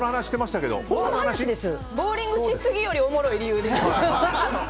ボーリングしすぎよりおもろい理由です。